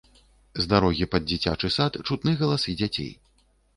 З дарогі пад дзіцячы сад чутны галасы дзяцей.